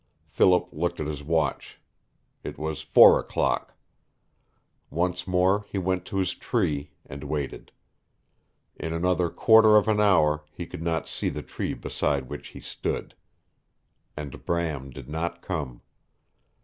Philip looked at his watch. It was four o'clock. Once more he went to his tree, and waited. In another quarter of an hour he could not see the tree beside which he stood. And Bram did not come.